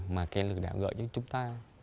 mà kênh lừa đảo gọi cho chúng ta